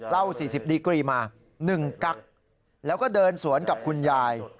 ๔๐ดีกรีมา๑กั๊กแล้วก็เดินสวนกับคุณยาย